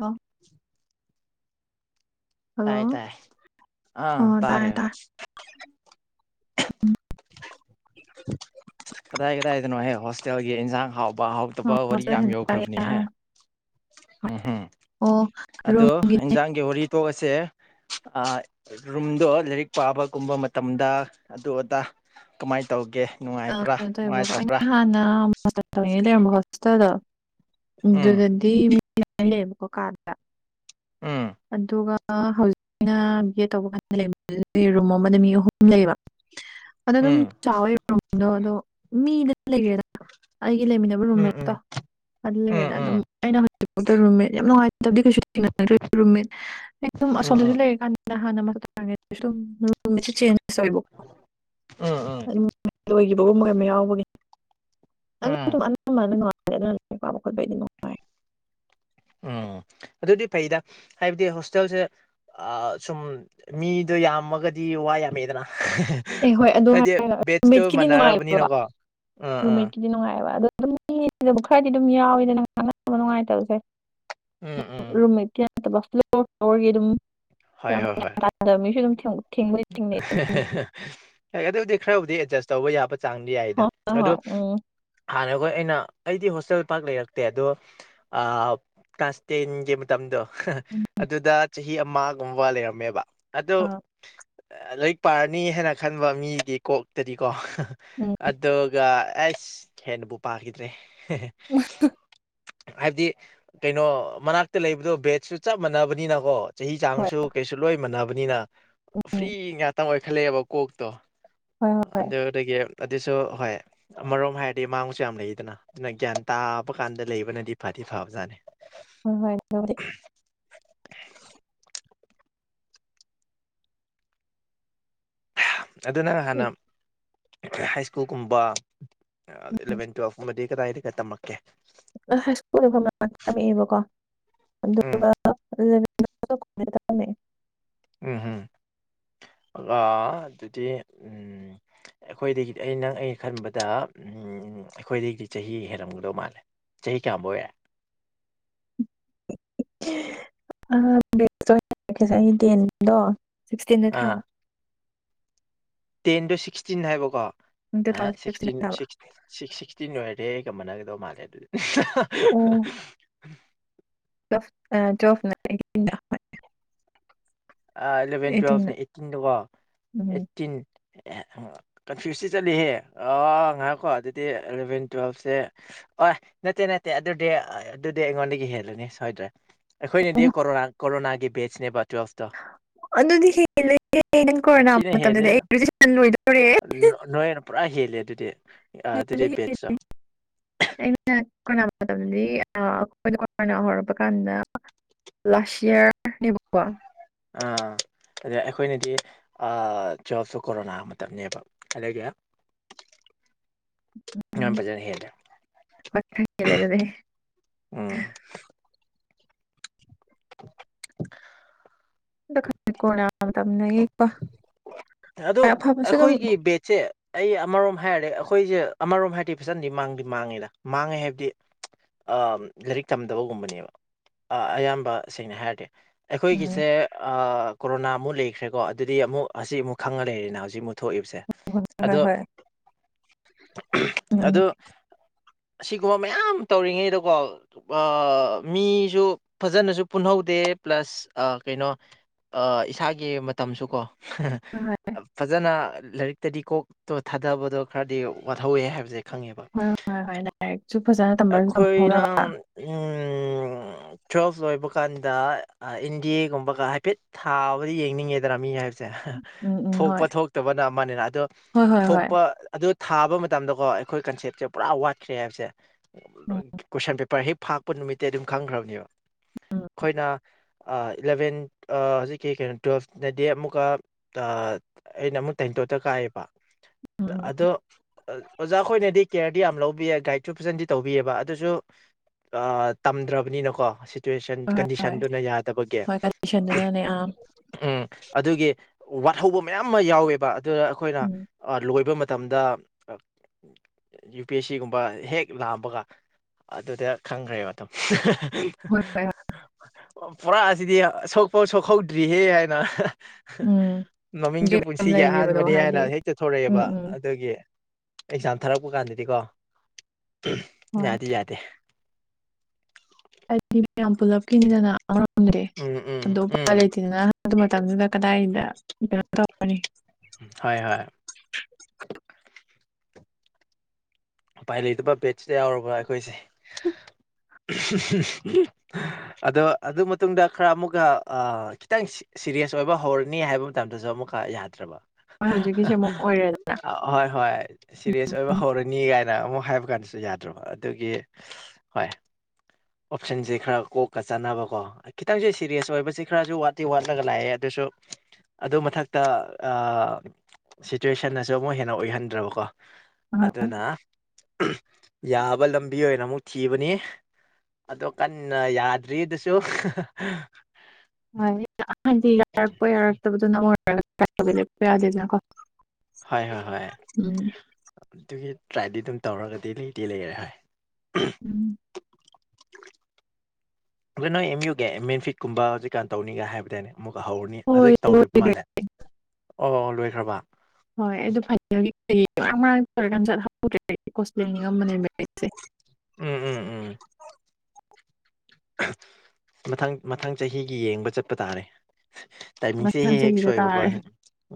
ꯑ ꯇꯥꯏ ꯇꯥꯏ ꯑꯥ ꯑ ꯇꯥꯔꯦ ꯇꯔꯦ ꯍ ꯇꯥꯔꯦ ꯑ ꯀꯗꯥꯏ ꯀꯗꯥꯏꯗꯅꯣꯍꯦ ꯍꯣꯁꯇꯦꯜꯒꯤ ꯏꯟꯁꯥꯡ ꯍꯥꯎꯕ ꯑ ꯍꯥꯎꯇꯕ ꯋꯥꯔꯤ ꯍꯣꯁꯇꯦꯜ ꯌꯥꯝ ꯁꯦꯟꯇꯔꯒꯤ ꯌꯧꯈ꯭ꯔꯕꯅꯤꯍꯦ ꯎꯝꯝ ꯑꯣ ꯑꯗꯣ ꯔꯨꯝꯒꯤꯅꯦ ꯏꯟꯖꯥꯡꯒꯤ ꯋꯥꯔꯤ ꯇꯣꯛ ꯑꯁꯦ ꯔꯨꯝꯗꯣ ꯂꯥꯏꯔꯤꯛ ꯄꯥꯕꯒꯨꯝꯕ ꯃꯇꯝꯗ ꯑꯗꯨ ꯑꯗꯥ ꯀꯃꯥꯏꯅ ꯇꯧꯒꯦ ꯅꯨꯡꯉꯥꯏꯕ꯭ꯔꯥ ꯀꯩꯅꯣ ꯇꯧꯋꯦꯕꯀꯣ ꯅꯨꯡꯉꯥꯏꯇꯕ꯭ꯔꯥ ꯑꯩꯅ ꯍꯥꯟꯅ ꯇꯉ ꯂꯩꯔꯝꯕꯣ ꯍꯣꯁꯄꯤꯇꯥꯗ ꯎꯝ ꯑꯗꯨꯗꯗꯤ ꯃꯤ ꯂꯩꯕꯀꯣ ꯀꯥ ꯎꯝ ꯑꯗꯨꯒ ꯍꯧꯖꯤꯛꯅ ꯕꯤ ꯑꯦ ꯇꯧꯕ ꯀꯥꯟꯗ ꯂꯩ ꯔꯨꯝ ꯑꯃꯗ ꯃꯤ ꯑꯍꯨꯝ ꯂꯩꯕ ꯑꯗꯣ ꯑꯗꯨꯝ ꯎꯝ ꯆꯥꯎꯋꯦꯗꯣ ꯑꯗꯣ ꯃꯤꯗ ꯂꯩꯦꯅ ꯑꯩꯒꯤ ꯂꯩꯃꯤꯟꯅꯕ ꯎꯝ ꯔꯨꯝꯃꯦꯠꯇꯣ ꯎꯝ ꯑꯗꯨ ꯂꯩꯒꯦꯗꯅ ꯑꯗꯨꯝ ꯎꯝ ꯑꯩꯅ ꯍꯧꯖꯤꯛꯥꯎ ꯔꯨꯝꯃꯤꯠ ꯌꯥꯝ ꯅꯨꯡꯉꯥꯏꯕꯗꯤ ꯀꯩꯁꯨ ꯊ ꯔꯨꯝꯃꯤꯠ ꯑꯩ ꯁꯨꯝ ꯎꯝ ꯑꯁꯣꯝꯗꯁꯨ ꯎꯝ ꯎꯝ ꯎꯝ ꯂꯩꯔ ꯀꯥꯟꯗ ꯍꯥꯟꯅꯥꯡꯉ ꯁꯨꯝ ꯆꯦꯟ ꯑꯣꯏꯕꯀꯣ ꯑꯥ ꯑꯥ ꯑꯣꯏꯣꯏꯈꯤꯕꯒꯨꯝ ꯀꯩꯅ ꯌꯥꯎꯕꯒꯅꯤ ꯎꯝ ꯄꯣ ꯎꯝ ꯑꯗꯨꯗꯤ ꯐꯩꯗ ꯍꯥꯏꯕꯗꯤ ꯍꯣꯁꯇꯦꯜꯁꯦ ꯁꯨꯝ ꯃꯤꯗꯣ ꯌꯥꯝꯃꯒꯗꯤ ꯋꯥ ꯌꯥꯝꯃꯦꯗꯅ ꯑꯦ ꯍꯣꯏ ꯑꯗꯨ ꯍꯥꯏꯗꯤ ꯍꯥꯏ ꯕꯦꯠꯁꯇꯨ ꯔꯃꯦꯠꯀꯤꯗꯤ ꯅꯨꯡꯉꯥꯏ ꯃꯥꯟꯅꯔꯕꯅꯤꯅꯀꯣ ꯑꯥ ꯑꯥ ꯔꯨꯝꯃꯦꯠꯀꯤꯗꯤ ꯅꯨꯡꯉꯥꯏꯑꯕ ꯑ ꯑꯗꯨꯝ ꯌꯦꯖꯕ ꯈꯔꯗꯤ ꯑꯗꯨꯝ ꯌꯥꯎꯋꯦꯗ ꯅꯪ ꯈꯪꯅꯗꯕ ꯅꯨꯡꯉꯥꯏꯇꯕꯁꯦ ꯎꯝ ꯎꯝ ꯔꯨꯝꯃꯤ ꯑꯔꯒꯤ ꯑꯗꯨ ꯃꯤꯁꯨ ꯑꯗꯨꯝ ꯊꯦꯡꯅ ꯍ ꯑꯗꯨꯕꯨꯗꯤ ꯈꯔꯕꯨꯗꯤ ꯑꯦꯗꯖꯁ ꯇꯧꯕ ꯌꯥꯕ ꯆꯥꯡꯗꯤ ꯌꯥꯏꯗ ꯍꯣꯏ ꯑꯗ ꯍꯣꯏ ꯎꯝ ꯍꯥꯟꯅꯈꯣꯏ ꯑꯩꯅ ꯑꯩꯗꯤ ꯍꯣꯁꯇꯦꯜ ꯄꯥꯛ ꯂꯩꯔꯛꯇꯦ ꯑꯗꯣ ꯑ ꯀꯥꯁꯇꯦꯟꯦ ꯃ ꯇꯝꯗꯨꯣ ꯑꯗꯨꯗ ꯆꯍꯤ ꯑꯃꯒꯨꯝꯕ ꯂꯩꯔꯝꯃꯦꯕ ꯑꯗꯣ ꯑꯥ ꯂꯥꯏꯔꯤꯛ ꯄꯥꯔꯅꯤ ꯍꯥꯏꯅ ꯈꯟꯕ ꯃꯤꯗꯤ ꯀꯣꯛꯇꯗꯤꯀꯣ ꯎꯝ ꯑꯗꯨꯒ ꯑꯩꯁ ꯍꯦꯟꯅꯕꯨ ꯄꯥꯈꯤꯗ꯭ꯔꯦ ꯍꯥꯏꯕꯗꯤ ꯀꯩꯅꯣ ꯃꯅꯥꯛꯇ ꯂꯩꯕꯗꯣ ꯕꯦꯠꯁꯨ ꯆꯞ ꯃꯥꯟꯅꯕꯅꯤꯅꯀꯣ ꯆꯍꯤ ꯍꯣꯏ ꯆꯥꯡꯁꯨ ꯀꯩꯁꯨ ꯂꯣꯏ ꯃꯟꯅꯕꯅꯤꯅ ꯐ꯭ꯔꯤ ꯉꯥꯛꯇꯪ ꯑꯣꯏꯈꯠꯂꯛꯑꯦꯕ ꯀꯣꯛꯇꯣ ꯍꯣꯏ ꯍꯣꯏ ꯑꯗꯦꯒ ꯑꯗꯨꯁꯨ ꯍꯣꯏ ꯑꯃꯔꯣꯝ ꯍꯥꯏꯔꯗꯤ ꯃꯥꯡꯕꯁꯨ ꯌꯥꯝ ꯂꯩꯗꯅ ꯑꯗꯨꯅ ꯒ꯭ꯌꯥꯟ ꯇꯥꯕ ꯀꯥꯟꯗ ꯂꯩꯕ ꯅꯗꯤ ꯐꯥꯗꯤ ꯐꯕꯥꯠꯅꯤ ꯍꯣꯏ ꯍꯣꯏ ꯑꯗꯨꯅ ꯍꯥꯟꯅ ꯍꯥꯏ ꯁ꯭ꯀꯨꯜꯒꯨꯝꯕ ꯏꯂꯚꯦꯟ ꯇꯨꯋꯦꯜꯐꯀꯨꯝꯕꯗꯤ ꯍꯥꯏꯅ ꯀ ꯃꯇꯝ ꯑ ꯁꯀꯨꯜ ꯃꯐꯝ ꯊꯝꯃꯛꯑꯦꯕꯀꯣ ꯎꯝ ꯑꯗꯨꯒ [unintelligible] ꯎꯝꯝ ꯑꯗꯨꯗꯤ ꯎꯝ ꯎ ꯑꯩꯈꯣꯏꯗꯒꯤꯗꯤ ꯑ ꯅꯪ ꯑꯩꯅ ꯈꯟꯕꯗ ꯎ ꯑꯩꯈꯣꯏꯗꯒꯤꯗꯤ ꯆꯍꯤ ꯍꯦꯜꯔꯝꯒꯗꯧ ꯃꯥꯜꯂꯦ ꯆꯍꯤ ꯀꯌꯥꯝꯕ ꯑꯣꯏꯔꯦ [unintelligible] ꯁꯤꯛꯁꯇꯤꯟꯗ ꯑꯥ ꯊꯥꯕ ꯇꯦꯟꯗꯣ ꯁꯤꯛꯁꯇꯤꯟ ꯍꯥꯏꯕꯀꯣ ꯇꯨ ꯊꯥꯎꯖꯟ ꯁꯤꯛꯁꯇꯤꯟ ꯍꯥꯏꯕ ꯁꯤꯛꯁ ꯁꯤꯛꯁꯇꯤꯟ ꯑꯣꯏꯔꯦ ꯑꯩꯒ ꯃꯥꯟꯅꯒꯗꯧ ꯃꯥꯜꯂꯦ ꯑꯣ ꯑꯗꯨꯗꯤ [unintelligible] ꯑꯦꯂꯚꯦꯟ ꯑꯩꯠꯇꯤꯟꯗ ꯇꯨꯋꯦꯜꯐꯅꯦ ꯑꯩꯠꯇꯤꯟꯗꯀꯣ ꯎꯝ ꯑꯩꯠꯇꯤꯟ ꯑꯦ ꯀꯟꯐ꯭ꯌꯨꯁꯇꯤ ꯆꯠꯂꯤꯍꯦ ꯑꯥꯎ ꯑ ꯉꯥꯏꯔꯀꯣ ꯑꯗꯨꯗꯤ ꯑꯦꯂꯚꯦꯟ ꯇꯨꯋꯦꯜꯞꯁꯦ ꯑ ꯅꯠꯇꯦ ꯅꯠꯇꯦ ꯑꯗꯨꯗꯤ ꯑꯗꯨꯗꯤ ꯑꯩꯉꯣꯟꯗꯒꯤ ꯍꯦꯜꯂꯨꯅꯤ ꯁꯣꯏꯗ꯭ꯔꯦ ꯑꯣ ꯑꯩꯈꯣꯏꯅꯗꯤ ꯀꯣꯔꯣꯅꯥ ꯀꯣꯔꯣꯅꯥꯒꯤ ꯕꯦꯠꯁꯅꯦꯕ ꯇꯨꯋꯦꯜ [unintelligible] ꯁꯥꯊꯤꯅ ꯍꯦꯜꯂꯦ ꯃꯇꯝꯗꯗꯤ ꯂꯣꯏꯗꯣꯔꯦꯍꯦ ꯅꯣꯏꯅ ꯄꯨꯔꯥ ꯍꯦꯜꯂꯦ ꯑꯗꯨꯗꯤ ꯑꯗꯨꯗꯤ ꯕꯦꯠꯁꯨꯣ [unintelligible] ꯑ ꯑꯩꯈꯣꯏꯅ ꯍꯧꯔꯛꯄ ꯀꯥꯟꯗ ꯂꯥꯁ ꯏꯌꯥꯔꯅꯦꯕꯀꯣ ꯑꯥ ꯑꯗ ꯑꯩꯈꯣꯏꯅꯗꯤ ꯇꯨꯋꯦꯜꯐꯇ ꯀꯣꯔꯣꯅꯥ ꯃꯇꯝꯅꯦꯕ ꯑꯗꯒꯤ [inaudible] ꯌꯥꯝ ꯎꯝ ꯐꯖꯅ ꯍꯦꯜꯂꯦ ꯎꯝ [unintelligible] [unintelligible] [unintelligible] ꯑꯐꯕꯁꯨ ꯑꯗꯨꯝ ꯆꯦ ꯑꯩ ꯑꯃꯔꯣꯝ ꯍꯥꯏꯔꯦ ꯑꯩꯈꯣꯏꯁꯦ ꯑꯃꯔꯣꯝ ꯍꯥꯏꯔꯗꯤ ꯐꯖꯅꯗꯤ ꯃꯥꯡꯗꯤ ꯃꯥꯡꯉꯦꯗ ꯃꯥꯡꯉꯦ ꯍꯥꯏꯕꯗꯤ ꯂꯥꯏꯔꯤꯛ ꯇꯝꯗꯕꯒꯨꯝꯕꯅꯦꯕ ꯑꯌꯥꯝꯕ ꯁꯦꯡꯅ ꯍꯥꯏꯔꯗꯤ ꯎꯝ ꯑꯩꯈꯣꯏꯒꯤꯁꯦ ꯀꯣꯔꯣꯅꯥ ꯑꯃꯨꯛ ꯂꯩꯈ꯭ꯔꯦꯀꯣ ꯑꯗꯨꯗꯤ ꯑꯃꯨꯛ ꯍꯧꯖꯤꯛ ꯑꯃꯨꯛ ꯈꯪꯉ ꯂꯩꯔꯦꯅ ꯍꯧꯖꯤꯛ ꯃꯨ ꯊꯣꯛꯏꯕꯁꯦ ꯍꯣꯏ ꯍꯣꯏ ꯑꯗꯣ ꯍꯣꯏ ꯎꯝ ꯎꯝ ꯑꯗꯨ ꯑꯁꯤꯒꯨꯝꯕ ꯃꯌꯥꯝ ꯇꯧꯔꯤꯉꯩꯗꯀꯣ ꯃꯤꯁꯨ ꯐꯖꯅꯁꯨ ꯄꯨꯟꯍꯧꯗꯦ ꯄ꯭ꯂꯁ ꯑ ꯀꯩꯅꯣ ꯏꯁꯥꯒꯤ ꯃꯇꯝꯁꯨ ꯀꯣ ꯍꯣꯏ ꯐꯖꯅ ꯂꯥꯏꯔꯤꯛꯇꯗꯤ ꯀꯣꯛꯇꯣ ꯊꯥꯗꯕꯗꯣ ꯈꯔꯗꯤ ꯋꯥꯍꯧꯋꯦ ꯍꯥꯏꯕꯁꯦ ꯈꯪꯉꯦꯕ ꯍꯣꯏ ꯍꯣꯏ ꯍꯣꯏ ꯂꯥꯏꯔꯤꯛꯁꯨ ꯐꯖꯅ ꯇꯝꯕꯁꯨ ꯑꯩꯈꯣꯏꯅ ꯇꯝꯍꯧꯅꯕ ꯎ ꯇꯨꯋꯦꯜꯐ ꯂꯣꯏꯕ ꯀꯥꯟꯗ ꯏꯟꯗꯤ ꯑꯦꯒꯨꯝꯕꯒ ꯍꯥꯏꯐꯦꯠ ꯊꯥꯕꯨꯗꯤ ꯌꯦꯡꯅꯤꯡꯉꯦꯗꯅꯥ ꯃꯤ ꯍꯥꯏꯕꯁꯦ ꯎꯝ ꯎꯝ ꯍꯣꯏ ꯊꯣꯛꯄ ꯊꯣꯛꯇꯕꯅ ꯑꯃꯅꯤꯅ ꯑꯗꯣ ꯍꯣꯏ ꯍꯣꯏ ꯍꯣꯏ ꯊꯣꯛꯄ ꯑꯗꯨ ꯊꯥꯕ ꯃꯇꯝꯗꯀꯣ ꯑꯩꯈꯣꯏ ꯀꯟꯁꯦꯞꯁꯦ ꯄꯨꯔꯥ ꯋꯥꯠꯈ꯭ꯔꯦ ꯍꯥꯏꯕꯁꯦ ꯎꯝ ꯀꯣꯏꯁꯟ ꯄꯦ ꯄꯔ ꯍꯦꯛ ꯐꯥꯛꯄ ꯅꯨꯃꯤꯠꯇꯤ ꯑꯗꯨꯝ ꯈꯪꯈ꯭ꯔꯕꯅꯦꯕ ꯎꯝ ꯎꯝ ꯑꯩꯈꯣꯏꯅ ꯏꯂꯕꯦꯟ ꯍꯧꯖꯤꯛꯀꯤ ꯀꯩꯅꯣ ꯇꯨꯋꯦꯜꯐꯅꯗꯤ ꯑꯃꯨꯛꯀ ꯑꯩꯅ ꯑꯃꯨꯛ ꯇꯩꯇꯣꯇ ꯀꯥꯏꯑꯦꯕ ꯎꯝ ꯑꯗꯣ ꯑꯣꯖꯥ ꯈꯣꯏꯅꯗꯤ ꯀꯦꯌꯔ ꯌꯥꯝ ꯂꯧꯕꯤ ꯒꯥꯏꯗꯁꯨ ꯐꯖꯅꯗꯤ ꯇꯧꯕꯤꯑꯕ ꯑꯗꯨꯁꯨ ꯇꯝꯗ꯭ꯔꯕꯅꯤꯅꯀꯣ ꯆꯨꯋꯦꯁꯟ ꯍꯣꯏ ꯍꯣꯏ ꯀꯟꯗꯤꯁꯟꯗꯨꯅ ꯌꯥꯗꯕꯒꯤ ꯍꯣꯏ ꯀꯟꯗꯤꯁꯟꯗꯨꯅꯅꯦ ꯑꯥ ꯎꯝ ꯑꯗꯨꯒꯤ ꯋꯥꯠꯍꯧꯕ ꯃꯌꯥꯝ ꯑꯃ ꯌꯥꯎꯋꯦꯕ ꯑꯗꯨꯗ ꯑꯩꯈꯣꯏꯅ ꯎꯝ ꯂꯣꯏꯕ ꯃꯇꯝꯗ ꯌꯨ ꯄꯤ ꯑꯦꯁ ꯁꯤꯒꯨꯝꯕ ꯍꯦꯛ ꯂꯥꯛꯑꯝꯕꯒ ꯑꯗꯨꯗ ꯈꯪꯈ꯭ꯔꯦ ꯃꯇꯝ ꯍꯣꯏ ꯍꯣꯏ ꯍꯣꯏ ꯄꯨꯔꯥ ꯑꯁꯤꯗꯤ ꯑꯁꯣꯛꯄꯥꯎ ꯁꯣꯛꯍꯧꯗ꯭ꯔꯤꯍꯦ ꯍꯥꯏꯅ ꯎꯝ ꯃꯃꯤꯡꯁꯨ ꯒꯦꯞ ꯌꯥꯝ ꯄꯨꯟꯁꯤꯒꯤ ꯂꯩꯈꯤꯕꯗꯣ ꯑꯍꯥꯟꯕꯅꯤ ꯍꯥꯏꯗꯤ ꯍꯥꯏꯅ ꯍꯦꯛꯇ ꯎꯝ ꯊꯣꯔꯛꯑꯦꯕ ꯎꯝ ꯑꯗꯨꯒꯤ ꯑꯦꯛꯖꯥꯝ ꯊꯥꯔꯛꯄ ꯀꯥꯟꯗꯗꯤꯀꯣ ꯍꯣꯏ ꯌꯥꯗꯤꯦ ꯌꯥꯗꯦ ꯃꯤ ꯌꯥꯝ ꯄꯨꯂꯞ ꯀꯅꯤꯗꯅ ꯎꯝ ꯎꯝ [unintelligible] ꯑꯗꯨ ꯎꯄꯥꯥꯏ ꯎꯝ ꯂꯩꯇꯦ ꯉꯔꯥꯡ ꯑꯗꯨ ꯃꯇꯝꯗꯨꯗ ꯀꯗꯥꯏꯗ ꯀꯩꯅꯣ ꯇꯧꯔꯅꯤ ꯍꯣꯏ ꯍꯣꯏ ꯎꯄꯥꯏ ꯂꯩꯇꯕ ꯕꯦꯠꯁꯇ ꯌꯥꯎꯔꯕ꯭ꯔ ꯑꯩꯈꯣꯏꯁꯦ ꯑꯗꯣ ꯑꯗꯨ ꯃꯇꯨꯡꯗ ꯈꯔ ꯑꯃꯨꯛꯀ ꯈꯤꯇꯪ ꯁꯤꯔꯤꯌꯁ ꯑꯣꯏꯕ ꯍꯧꯔꯅꯤ ꯍꯥꯏꯕ ꯃꯇꯝꯗꯁꯨ ꯑꯃꯨꯛꯀ ꯌꯥꯗ꯭ꯔꯕ ꯍꯣꯏ ꯍꯧꯖꯤꯛꯀꯤꯁꯦ ꯑꯃꯨꯛ ꯑꯣꯏꯔꯦꯗꯅ ꯑꯍꯣꯏ ꯍꯣꯏ ꯁꯤꯔꯤꯌꯁ ꯑꯣꯏꯕ ꯍꯧꯔꯅꯤ ꯀꯥꯏꯅ ꯑꯃꯨꯛ ꯍꯥꯏꯕ ꯀꯥꯟꯗꯁꯨ ꯌꯥꯗ꯭ꯔꯕ ꯑꯗꯨꯒꯤ ꯍꯣꯏ ꯑꯣꯞꯁꯟꯁꯦ ꯈꯔ ꯀꯣꯛꯀꯥ ꯆꯥꯟꯅꯕꯀꯣ ꯈꯤꯇꯪꯁꯦ ꯁꯤꯔꯤꯌꯁ ꯑꯣꯏꯕꯁꯤ ꯈꯔꯁꯨ ꯋꯥꯠꯇꯤ ꯋꯥꯠꯂꯒ ꯂꯥꯛꯑꯦ ꯑꯗꯨꯁꯨ ꯑꯗꯨ ꯃꯊꯛꯇ ꯑꯥ ꯁꯤꯆꯨꯋꯦꯁꯟꯅꯁꯨ ꯑꯃꯨꯛ ꯍꯦꯟꯅ ꯑꯣꯏꯍꯟꯗ꯭ꯔꯕꯀꯣ ꯑꯗꯨꯅ ꯌꯥꯕ ꯂꯝꯕꯤ ꯑꯣꯏꯅ ꯑꯃꯨꯛ ꯊꯤꯕꯅꯤ ꯑꯗꯣ ꯀꯟꯅ ꯌꯥꯗ꯭ꯔꯤꯗꯨꯁꯨ ꯍꯣꯏ ꯑꯍꯥꯟꯗꯤ ꯌꯥꯔꯛꯄ ꯌꯥꯔꯛꯇꯕꯗꯣ ꯅꯪ ꯑꯣꯏꯔꯒꯔꯄ ꯌꯥꯗꯦꯗꯅꯀꯣ ꯍꯣꯏ ꯍꯣꯏ ꯎꯝ ꯑꯗꯨꯒꯤ ꯇ꯭ꯔꯥꯏꯗꯤ ꯑꯗꯨꯝ ꯇꯧꯔꯒꯗꯤ ꯂꯩꯗꯤ ꯂꯩꯔꯦ ꯍꯣꯏ ꯎꯝ ꯑꯗꯣ ꯅꯣꯏ ꯑꯦꯝ ꯌꯨ ꯃꯦꯟꯐꯤꯠꯀꯨꯝꯕ ꯍꯧꯖꯤꯛꯀꯥꯟ ꯇꯧꯅꯤꯒ ꯍꯥꯏꯕꯗꯥꯏꯅꯦ ꯑꯃꯨꯛꯀ ꯍꯧꯔꯅꯤ ꯍꯣꯏ ꯍꯧꯖꯤꯛ ꯇꯧꯔꯤꯕ ꯂꯣꯏꯈ꯭ꯔꯦ ꯃꯥꯅꯦ ꯑꯣ ꯂꯣꯏꯈ꯭ꯔꯕ ꯍꯣꯏ ꯑꯗꯨ ꯐꯥꯏꯅꯦꯜꯒꯤ ꯀꯩꯒꯤ ꯃꯔꯥꯡ ꯃꯔꯥꯡ ꯇꯧꯔꯤꯀꯥꯟ ꯆꯠꯂꯧꯗꯔꯦ ꯏꯀꯣꯁ ꯌꯦꯡꯅꯤꯡꯉꯥꯝꯕꯅꯦ ꯎꯝ ꯎꯝ ꯎꯝ ꯃꯊꯪ ꯃꯊꯪ ꯆꯍꯤꯒꯤ ꯌꯦꯡꯕ ꯆꯠꯄ ꯇꯥꯔꯦ ꯇꯥꯏꯃꯤꯡꯁꯦ ꯃꯊꯪ ꯍꯦꯛ ꯍꯦꯛ ꯆꯍꯤꯗ ꯁꯣꯏꯕꯀꯣ ꯇꯥꯔꯦ ꯎꯝ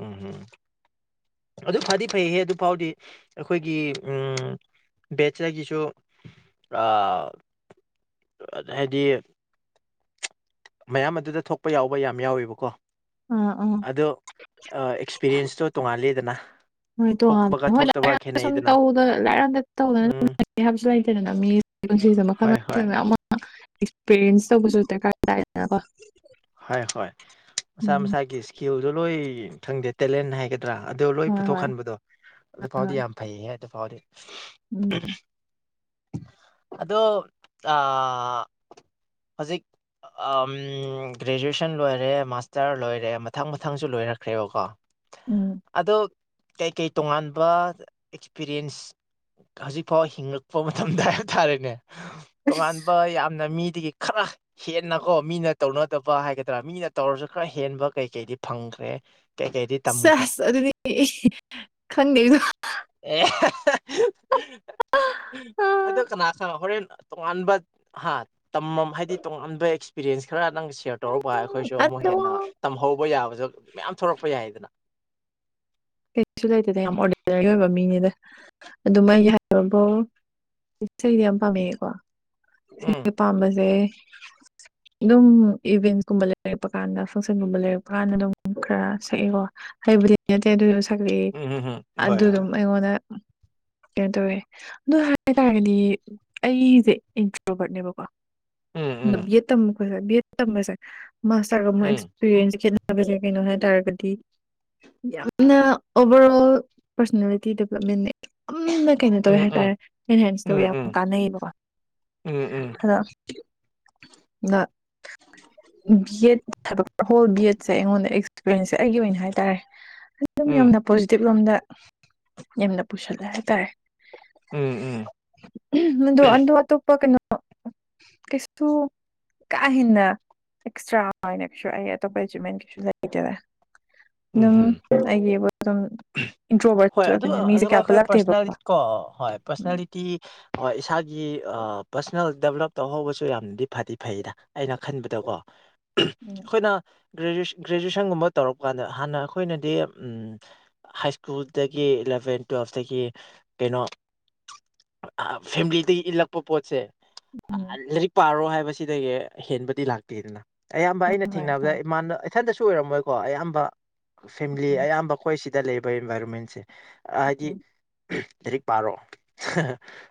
ꯎꯝ ꯑꯗꯨ ꯐꯗꯤ ꯐꯩꯍꯦ ꯑꯗꯨ ꯐꯥꯎꯗꯤ ꯑꯩꯈꯣꯏꯒꯤ ꯕꯦꯠꯆꯗꯒꯤꯁꯨ ꯑꯥ ꯍꯥꯏꯗꯤ ꯃꯌꯥꯝ ꯑꯗꯨꯗ ꯊꯣꯛꯄ ꯌꯥꯎꯕ ꯌꯥꯝ ꯌꯥꯎꯋꯦꯕꯀꯣ ꯑꯥ ꯑꯥ ꯑꯗꯣ ꯑꯦꯛꯁꯄꯤꯔꯤꯌꯦꯟꯁꯇꯣ ꯇꯣꯉꯥꯂꯦꯗꯅ ꯍꯣꯏ ꯊꯣꯛꯄꯒ ꯇꯣꯉꯥꯟꯂꯦ ꯍꯣꯏ ꯊꯣꯛꯇꯕ ꯂꯥꯏꯔꯤꯛ ꯁꯨꯝ ꯈꯦꯠꯅꯩꯗꯅ ꯇꯧꯗꯅ ꯂꯥꯏꯔꯤꯛ [unintelligible] ꯇꯧꯗꯧꯅꯦ ꯎꯝ ꯍꯥꯏꯕꯁꯨ ꯂꯩꯇꯦꯗꯅ ꯃꯤ ꯄꯨꯟꯁꯤꯖꯤꯗꯤ ꯃꯈꯜ ꯍꯣꯏ ꯍꯣꯏ ꯃꯊꯦꯜ ꯃꯌꯥꯝ ꯑꯦꯛꯁꯄꯤꯔꯤꯌꯦꯟꯁ ꯇꯧꯕꯁꯨ ꯗꯔꯀꯥꯔ ꯇꯥꯏꯗꯅꯀꯣ ꯍꯣꯏ ꯍꯣꯏ ꯃꯁꯥ ꯎꯝ ꯃꯁꯥꯒꯤ ꯏꯁꯀꯤꯜꯗꯣ ꯂꯣꯏ ꯈꯪꯗꯦ ꯇꯦꯂꯦꯟ ꯍꯥꯏꯒ ꯅꯠꯇ꯭ꯔꯥ ꯑꯗꯨ ꯂꯣꯏ ꯍꯣꯏ ꯍꯣꯏ ꯄꯨꯊꯣꯛꯍꯟꯕꯗꯣ ꯑꯗꯨꯐꯥꯎꯗꯤ ꯍꯣꯏ ꯌꯥꯝ ꯐꯩꯍꯦ ꯑꯗꯨ ꯐꯥꯎꯗꯤ ꯎꯝ ꯑꯗꯣ ꯑꯥ ꯍꯧꯖꯤꯛ ꯑꯥꯝ ꯒ꯭ꯔꯦꯖꯨꯑꯦꯁꯟ ꯂꯣꯏꯔꯦ ꯃꯥꯁꯇꯔ ꯂꯣꯏꯔꯦ ꯃꯊꯪ ꯃꯊꯪꯁꯨ ꯂꯣꯏꯔꯛꯈ꯭ꯔꯦꯕꯀꯣ ꯎꯝ ꯑꯗꯣ ꯀꯩꯀꯩ ꯇꯣꯉꯥꯟꯕ ꯑꯦꯛꯁꯄꯤꯔꯤꯌꯦꯟꯁ ꯍꯧꯖꯤꯛ ꯐꯥꯎ ꯍꯤꯡꯉꯛꯄ ꯃꯇꯝꯗ ꯍꯥꯏ ꯇꯥꯔꯦꯅꯦ ꯇꯣꯉꯥꯟꯕ ꯌꯥꯝꯅ ꯃꯤꯗꯒꯤ ꯈꯔ ꯍꯦꯟꯅꯀꯣ ꯃꯤꯅ ꯇꯧꯅ ꯐꯠꯇꯕ ꯍꯥꯏꯒꯗ꯭ꯔꯥ ꯃꯤꯅ ꯇꯧꯔꯁꯨ ꯈꯔ ꯍꯦꯟꯕ ꯀꯩ ꯀꯩꯗꯤ ꯐꯪꯈ꯭ꯔꯦ ꯀꯩꯀꯩꯗꯤ ꯇꯝꯈ꯭ꯔꯦ ꯁꯦꯁ ꯑꯗꯨꯗꯤ ꯈꯪꯉꯦꯗꯣ ꯑꯦ ꯑꯗꯨ ꯀꯅꯥ ꯀꯅꯥ ꯍꯣꯔꯦꯟ ꯇꯣꯉꯥꯟꯕ ꯍꯥ ꯇꯝꯃꯝ ꯍꯥꯏꯗꯤ ꯇꯣꯉꯥꯟꯕ ꯑꯦꯛꯁꯄꯤꯔꯌꯦꯟꯁ ꯈꯔ ꯅꯪ ꯀꯦꯌꯔ ꯇꯧꯔꯛꯄ ꯑꯩꯈꯣꯏꯁꯨ ꯑꯃꯨꯛ ꯑꯗꯣ ꯍꯦꯟꯅ ꯇꯝꯍꯧꯕ ꯌꯥꯕꯗꯣ ꯃꯌꯥꯝ ꯊꯣꯛꯂꯛꯄ ꯌꯥꯏꯗꯅ ꯀꯩꯁꯨ ꯂꯩꯇꯦꯅ ꯌꯥꯝ ꯑꯣꯔꯗꯤꯅꯔꯤ ꯑꯣꯏꯕ ꯃꯤꯅꯤꯗ ꯑꯗꯨ ꯃꯥꯏꯒꯤ ꯍꯥꯏꯕꯐꯥꯎ ꯏꯁꯩꯗꯤ ꯌꯥꯝ ꯄꯥꯝꯃꯦꯑꯀꯣ ꯎꯝ ꯏꯁꯩꯗ ꯄꯥꯝꯕꯁꯦ ꯑꯗꯨꯝ ꯏꯚꯦꯟꯁꯀꯨꯝꯕ ꯂꯩꯔꯛꯄ ꯀꯥꯟꯗ ꯐꯪꯁꯟꯒꯨꯝꯕ ꯂꯩꯔꯛꯄ ꯀꯥꯟꯗ ꯑꯗꯨꯝ ꯈꯔ ꯁꯛꯏꯀꯣ ꯍꯩꯕꯨꯗꯤ ꯅꯠꯇꯦ ꯑꯗꯨꯁꯨ ꯁꯛꯂꯛꯏ ꯎꯝ ꯎꯝ ꯎꯝ ꯍꯣꯏ ꯍꯣꯏ ꯑꯗꯨꯗꯨꯝ ꯑꯩꯉꯣꯟꯗ ꯀꯩꯅꯣ ꯇꯧꯋꯦ ꯑꯗꯨ ꯍꯥꯏ ꯇꯔꯒꯗꯤ ꯑꯩꯁꯦ ꯏꯟꯇ꯭ꯔꯣꯕꯔꯠꯅꯦꯕꯀꯣ ꯎꯝ ꯇꯔ ꯎꯝ ꯎꯝ ꯑꯦꯛꯟꯁ ꯒꯦ ꯅꯍꯣꯏ ꯇꯔꯒꯗꯤ ꯅ ꯑꯣꯚꯔ ꯑꯣꯜ ꯄꯔꯁꯅꯦꯂꯤꯇꯤ ꯗꯦꯕꯂꯞꯃꯦꯟꯟꯅꯦ ꯅ ꯀꯩꯅꯣ ꯇꯧꯋꯦ ꯎꯝ ꯎꯝ ꯍꯥꯏꯇꯥꯔꯦ ꯑꯦꯟꯍꯦꯟꯁ ꯇꯧꯋ ꯎꯝ ꯌꯥꯝ ꯎꯝ ꯀꯥꯟꯅꯩꯌꯦꯕꯀꯣ ꯎꯝ ꯎꯝ [inaudible] ꯕꯤ ꯑꯦꯗꯕ ꯍꯣꯜ ꯕꯤ ꯑꯦꯠꯁꯦ ꯑꯩꯉꯣꯟꯗ ꯑꯦꯛꯁꯄꯤꯔꯤꯦꯟꯁꯁꯦ ꯑꯩꯒꯤ ꯑꯣꯏꯅ ꯍꯥꯏ ꯇꯔꯦ ꯑꯗꯨꯝ ꯌꯥꯝꯅ ꯄꯣꯖꯤꯇꯤꯕ ꯂꯣꯝꯗ ꯌꯥꯝꯅ ꯄꯨꯁꯜꯂꯦ ꯍꯥꯏꯇꯥꯔꯦ ꯎꯝ ꯎꯝ ꯎꯝ ꯃꯗꯨ ꯑꯟꯗ ꯋꯥ ꯇ ꯎꯞꯄ ꯀ ꯀꯁꯁꯨ ꯀꯥ ꯍꯦꯟꯅ ꯑꯦꯛꯁꯇ꯭ꯔꯥꯅꯁꯨ ꯑꯩ ꯑꯇꯣꯞꯄ ꯑꯦꯆꯤꯞꯃꯦꯟ ꯀꯩꯁꯨ ꯂꯩꯇꯦꯅ ꯎꯝꯍꯝ ꯑꯗꯨꯝ ꯍꯣꯏ ꯏꯟꯇ꯭ꯔꯣꯕꯔꯠꯁꯨ ꯑꯗꯨ ꯑꯣꯏꯕꯅꯤꯅ ꯃꯤꯁꯦ ꯑꯗꯨꯒ ꯀꯌꯥ ꯑꯩꯈꯣꯏ ꯄꯨꯜꯂꯛꯇꯦꯕꯀꯣ ꯄꯔꯁꯅꯦ ꯀꯣ ꯍꯣꯏ ꯎꯝ ꯄꯔꯁꯅꯦꯂꯤꯇꯤ [inaudible] ꯑꯣ ꯏꯁꯥꯒꯤ ꯄꯔꯁꯣꯅꯦꯜ ꯗꯦꯕꯂꯞ ꯇꯧꯍꯧꯕꯁꯨ ꯌꯥꯝꯅꯗꯤ ꯐꯗꯤ ꯐꯩꯗ ꯑꯩꯅ ꯈꯟꯕꯗꯀꯣ ꯑꯩꯈꯣꯏꯅ ꯒ꯭ꯔꯦꯖꯨꯁꯟ ꯒ꯭ꯔꯦꯖꯨꯋꯦꯁꯟꯒꯨꯝꯕ ꯇꯧꯔꯛꯄ ꯀꯥꯟꯗ ꯍꯥꯟꯅ ꯑꯩꯈꯣꯏꯅꯗꯤ ꯎꯝ ꯍꯥꯏ ꯁ꯭ꯀꯨꯜꯗꯒꯤ ꯏꯂꯚꯦꯟ ꯇꯨꯋꯦꯜꯐꯇꯒꯤ ꯀꯩꯅꯣ ꯐꯦꯃꯤꯂꯤꯗꯒꯤ ꯏꯜꯂꯛꯄ ꯄꯣꯠꯁꯦ ꯎꯝ ꯂꯥꯏꯔꯤꯛ ꯄꯥꯔꯣ ꯍꯥꯏꯕꯁꯤꯗꯒꯤ ꯍꯦꯟꯕꯗꯤ ꯂꯥꯛꯇꯦꯗꯅ ꯑꯌꯥꯝꯕ ꯎꯝ ꯑꯩꯅ ꯍꯣꯏ ꯍꯣꯏ ꯊꯦꯡꯅꯕꯗ ꯍꯣꯏ ꯏꯃꯥꯟꯅ ꯏꯊꯟꯇꯁꯨ ꯑꯣꯏꯔꯝꯃꯣꯏꯀꯣ ꯑꯌꯥꯝꯕ ꯐꯦꯃꯤꯂꯤ ꯎꯝ ꯑꯌꯥꯝꯕ ꯑꯩꯈꯣꯏ ꯁꯤ ꯗ ꯂꯩꯕ ꯏꯟꯚꯥꯏꯔꯣꯟꯃꯦꯟꯁꯦ ꯍꯥꯏꯗꯤ ꯎꯝ ꯂꯥꯏꯔꯤꯛ ꯄꯥꯔꯣ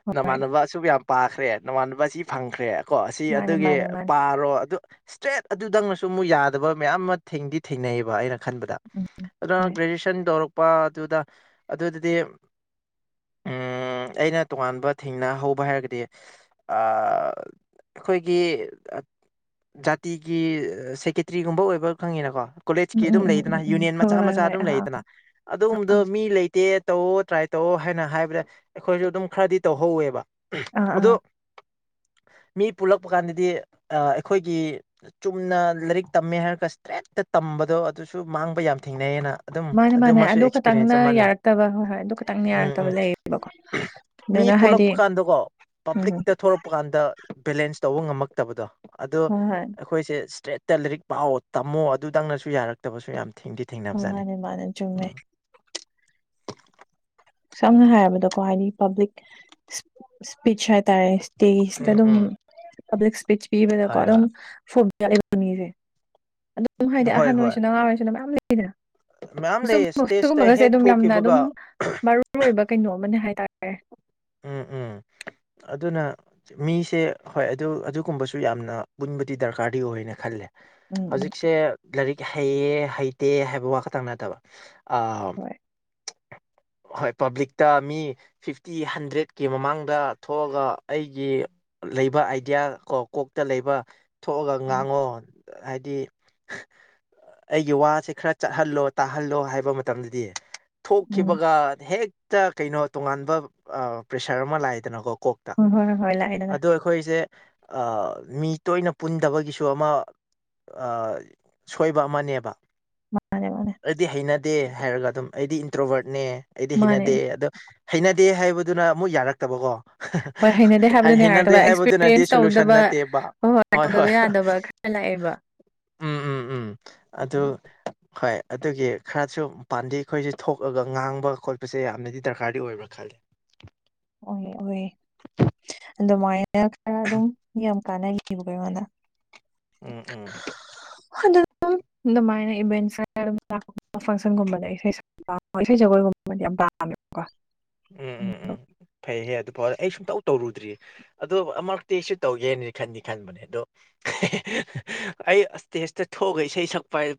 ꯍꯣꯏ ꯅꯃꯥꯟꯅꯕ ꯑꯁꯨ ꯌꯥꯝ ꯄꯥꯈ꯭ꯔꯦ ꯅꯃꯥꯟꯅꯕ ꯑꯁꯤ ꯐꯪꯈ꯭ꯔꯦ ꯀꯣ ꯁꯤ ꯃꯥꯅꯦ ꯑꯗꯨꯒꯤ ꯃꯥꯅꯦ ꯃꯥꯅꯦ ꯄꯥꯔꯣ ꯑꯗꯨ ꯏꯁꯇ꯭ꯔꯦꯠ ꯑꯗꯨꯗꯪꯅꯁꯨ ꯑꯃꯨꯛ ꯌꯥꯗꯕ ꯃꯌꯥꯝ ꯑꯃ ꯊꯦꯡꯗꯤ ꯊꯦꯡꯅꯩꯑꯕ ꯑꯩꯅ ꯈꯟꯕꯗ ꯎꯝ ꯑꯗꯨꯅ ꯍꯣꯏ ꯒ꯭ꯔꯦꯖꯨꯑꯌꯦꯁꯟ ꯇꯧꯔꯛꯄ ꯑꯗꯨꯗ ꯑꯗꯨꯗꯗꯤ ꯑꯩꯅ ꯇꯣꯉꯥꯟꯕ ꯊꯦꯡꯅ ꯍꯧꯕ ꯍꯥꯏꯔꯒꯗꯤ ꯑꯩꯈꯣꯏꯒꯤ ꯖꯥꯇꯤꯒꯤ ꯁꯦꯀꯦꯇ꯭ꯔꯤꯒꯨꯝꯕ ꯑꯣꯏꯕ ꯈꯪꯉꯤꯅꯀꯣ ꯀꯣꯂꯦꯖ ꯎꯝ ꯀꯤ ꯎꯝ ꯑꯗꯨꯝ ꯎꯝ ꯂꯩꯗꯅ ꯎꯝ ꯎꯝ ꯌꯨꯅꯤꯌꯟ ꯍꯣꯏ ꯃꯆꯥ ꯍꯣꯏ ꯃꯆꯥ ꯍꯣꯏ ꯑꯗꯨꯝ ꯑꯥ ꯑꯥ ꯂꯩꯗꯅ ꯑꯗꯨꯒꯨꯝꯕꯗꯣ ꯑꯥ ꯃꯤ ꯂꯩꯇꯦ ꯇꯧꯑꯣ ꯇ꯭ꯔꯥꯏ ꯇꯧꯑꯣ ꯍꯥꯏꯅ ꯍꯥꯏꯕꯗ ꯑꯩꯈꯣꯏꯁꯨ ꯑꯗꯨꯝ ꯈꯔꯗꯤ ꯇꯧꯍꯧꯋꯦꯕ ꯑꯥ ꯑꯗꯨ ꯑꯥ ꯃꯤ ꯄꯨꯜꯂꯛꯄ ꯀꯥꯟꯗꯗꯤ ꯑꯩꯈꯣꯏꯒꯤ ꯆꯨꯝꯅ ꯂꯥꯏꯔꯤꯛ ꯇꯝꯃꯦ ꯍꯥꯏꯔꯒ ꯏꯁꯇ꯭ꯔꯦꯠꯇ ꯇꯝꯕꯗꯣ ꯑꯗꯨꯁꯨ ꯃꯥꯡꯕ ꯌꯥꯝ ꯊꯦꯡꯅꯩꯑꯌꯦꯅ ꯑꯗꯨꯝ ꯃꯥꯅꯦ ꯑꯗꯨ ꯃꯥꯅꯦ ꯑꯃꯁꯁꯨ ꯑꯦꯛꯁꯄꯤꯔꯤꯌꯦꯟꯁ ꯈꯇꯪꯅ ꯑꯃꯅꯦ ꯌꯥꯔꯛꯇꯕ ꯍꯣꯏ ꯍꯣꯏ ꯑꯗꯨ ꯈꯇꯪꯅ ꯎꯝ ꯌꯥꯔꯛꯇꯕ ꯎꯝ ꯂꯩꯌꯦꯕꯀꯣ ꯃꯤ ꯑꯗꯨꯅ ꯍꯥꯏꯗꯤ ꯄꯨꯜꯂꯛꯄ ꯀꯥꯟꯗꯀꯣ ꯎꯝ ꯄꯕ꯭ꯂꯤꯛꯇ ꯊꯂꯛꯄ ꯀꯥꯟꯗ ꯕꯦꯂꯦꯟꯁ ꯇꯧꯕ ꯉꯝꯃꯛꯇꯕꯗꯣ ꯑꯗꯣ ꯍꯣꯏ ꯍꯣꯏ ꯑꯩꯈꯣꯏꯁꯦ ꯏꯁꯇ꯭ꯔꯦꯠ ꯂꯥꯏꯔꯤꯛ ꯄꯥꯎꯑꯣ ꯇꯝꯃꯣ ꯑꯗꯨꯗꯪꯅꯁꯨ ꯌꯥꯔꯛꯇꯕꯁꯨ ꯌꯥꯝ ꯊꯦꯡꯗꯤ ꯊꯦꯡꯅꯕꯖꯥꯠꯅꯦ ꯃꯥꯅꯦ ꯃꯥꯅꯦ ꯆꯨꯝꯃꯦ ꯎꯝ ꯁꯝꯅ ꯍꯥꯏꯔꯕꯗꯀꯣ ꯍꯥꯏꯗꯤ ꯄꯕ꯭ꯂꯤꯛ ꯏꯁ꯭ꯄꯤꯆ ꯍꯥꯏꯇꯥꯔꯦ ꯇ ꯏꯁꯇ ꯎꯝ ꯑꯗꯨꯝ ꯎꯝ ꯄꯕ꯭ꯂꯤꯛ ꯏꯁꯄꯤꯆ ꯄꯤꯕꯗꯀꯣ ꯍꯣꯏ ꯑꯗꯨꯝ ꯍꯣꯏ ꯃꯤꯁꯦ ꯑꯗꯨꯝ ꯍꯥꯏꯗꯤ ꯍꯣꯏ ꯑꯍꯟ ꯍꯣꯏ ꯑꯣꯏꯁꯤꯅ ꯑꯉꯥꯡ ꯑꯣꯏꯔꯤꯁꯤꯅ ꯃꯌꯥꯝ ꯂꯩ ꯁꯤꯗ ꯃꯌꯥꯝ ꯂꯩ ꯁꯨꯝ ꯏꯁꯇꯦꯖꯇ ꯁꯤꯒꯨꯝꯕꯒꯁꯦ ꯍꯦꯛ ꯑꯗꯨꯝ ꯌꯥꯝꯅ ꯊꯣꯛꯈꯤꯕꯒ ꯑꯗꯨꯝ ꯃꯔꯨ ꯑꯣꯏꯕ ꯀꯩꯅꯣ ꯑꯃꯅꯦ ꯍꯥꯏꯇꯥꯔꯦ ꯎꯝ ꯎꯝ [inaudible] ꯑꯗꯨꯅ ꯃꯤꯁꯦ ꯍꯣꯏ ꯑꯗꯨ ꯑꯗꯨꯒꯨꯝꯕꯁꯨ ꯌꯥꯝꯅ ꯄꯨꯟꯕꯗꯤ ꯗꯔꯀꯥꯔꯗꯤ ꯑꯣꯏꯌꯦꯅ ꯈꯜꯂꯦ ꯎꯝ ꯎꯝ ꯍꯧꯖꯤꯛꯁꯦ ꯂꯥꯏꯔꯤꯛ ꯍꯩꯌꯦ ꯍꯩꯇꯦ ꯍꯥꯏꯕ ꯋꯥ ꯈꯛꯇꯪ ꯅꯠꯇꯕ ꯍꯣꯏ ꯍꯣꯏ ꯄꯕ꯭ꯂꯤꯛꯇ ꯃꯤ ꯐꯤꯐꯇꯤ ꯍꯟ ꯗ꯭ꯔꯦꯠꯀꯤ ꯃꯃꯥꯡꯗ ꯊꯣꯛꯑꯒ ꯑꯩꯒꯤ ꯂꯩꯕ ꯑꯥꯏꯗꯤꯌꯥ ꯀꯣ ꯀꯣꯛꯇ ꯂꯩꯕ ꯊꯣꯛꯑꯒ ꯎꯝ ꯉꯥꯡꯉꯣ ꯍꯥꯏꯗꯤ ꯑꯩꯒꯤ ꯋꯥꯁꯦ ꯈꯔ ꯆꯠꯍꯜꯂꯣ ꯇꯥꯍꯜꯂꯣ ꯍꯥꯏꯕ ꯃꯇꯝꯗꯗꯤ ꯊꯣꯛꯈꯤꯕꯒ ꯍꯦꯛꯇ ꯀꯩꯅꯣ ꯇꯣꯉꯥꯟꯕ ꯄ꯭ꯔꯦꯁꯔ ꯑꯃ ꯂꯥꯛꯑꯗꯅꯀꯣ ꯀꯣꯛ ꯍꯣꯏ ꯍꯣꯏ ꯍꯣꯏ ꯍꯣꯏ ꯂꯥꯛꯦ ꯂꯥꯛꯦ ꯑꯩꯈꯣꯏꯁꯦ ꯃꯤ ꯇꯣꯏꯅ ꯄꯨꯟꯗꯕꯒꯤꯁꯨ ꯑꯃ ꯁꯣꯏꯕ ꯑꯃꯅꯦꯕ ꯃꯥꯅꯦ ꯃꯥꯅꯦ ꯑꯩꯗꯤ ꯍꯩꯅꯗꯦ ꯍꯥꯏꯔꯒ ꯑꯗꯨꯝ ꯑꯩꯗꯤ ꯏꯟꯇ꯭ꯔꯣꯚꯔꯠꯅꯦ ꯑꯩꯗꯤ ꯃꯥꯅꯦ ꯍꯩꯅꯗꯦ ꯑꯗꯣ ꯍꯩꯅꯗꯦ ꯍꯥꯏꯕꯗꯨꯅ ꯑꯃꯨꯛ ꯌꯥꯔꯛꯇꯕꯀꯣ ꯍꯣꯏ ꯍꯩꯅꯗꯦ ꯍꯩ ꯍꯥꯏꯕꯗꯨꯅꯤ ꯍꯩꯅꯗꯦ ꯍꯥꯏꯔꯛꯇꯕ ꯍꯥꯏꯕꯗꯨꯅꯗꯤ ꯑꯦꯛꯁꯄꯤꯔꯤꯌꯦꯟꯁ ꯁꯣꯂꯨꯁꯟ ꯇꯧꯗꯕ ꯅꯠꯇꯦꯕ ꯍꯣꯏ ꯍꯣꯏ ꯇꯧꯗꯕ ꯌꯥꯗꯕ ꯂꯥꯛꯑꯦꯕ ꯎꯝ ꯎꯝ ꯎꯝ ꯑꯗꯨ ꯍꯣꯏ ꯑꯗꯨꯒꯤ ꯈꯔꯁꯨ ꯄꯥꯝꯗꯦ ꯑꯩꯈꯣꯏꯁꯦ ꯊꯣꯛꯑꯒ ꯉꯥꯡꯕ ꯈꯣꯠꯄꯁꯦ ꯌꯥꯝꯅꯗꯤ ꯗꯔꯀꯥꯔꯗꯤ ꯑꯣꯏꯕ꯭ꯔꯥ ꯈꯜꯂꯤ ꯑꯣ ꯑꯣꯏꯦ ꯑꯗꯣ ꯃꯥꯥꯏ ꯈꯔ ꯑꯗꯨꯝ ꯌꯥꯝ ꯀꯥꯟꯅꯩꯕꯒꯉꯣꯟꯗ ꯎꯝ ꯎꯝ ꯑꯗꯨꯝ ꯑꯗꯨꯃꯥꯏꯅ ꯏꯚꯦꯟꯁ ꯑꯗꯨꯝ ꯂꯄ ꯐꯪꯁꯟꯒꯨꯝꯕꯗ ꯏꯁꯩ ꯁꯛ ꯏꯁꯩ ꯖꯒꯣꯏꯒꯨꯝꯗꯤ ꯌꯥꯝ ꯄꯥꯝꯃꯦꯕꯀꯣ ꯎꯝ ꯎꯝ ꯎꯝ ꯐꯩꯍꯌꯦ ꯑꯗꯨ ꯐꯥꯎꯔꯦ ꯑꯩ ꯁꯨꯡꯇꯧ ꯇꯧꯔꯨꯗ꯭ꯔꯤ ꯑꯗꯣ ꯑꯃꯛꯇꯤꯁꯨ ꯇꯧꯒꯦꯅꯗꯤ ꯈꯟꯗꯤ ꯈꯟꯕꯅꯦ ꯑꯗꯣ ꯑꯩ ꯑꯁꯇꯦ ꯑꯁꯇꯦ ꯊꯣꯛꯒꯁ ꯁꯛ ꯄꯥꯏ